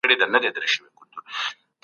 قانون په ټولو يو شان دی.